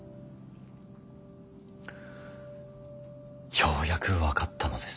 ようやく分かったのです。